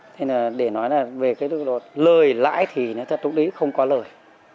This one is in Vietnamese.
thế là để nói là về cái lợi lãi thì thật đúng lý không có lợi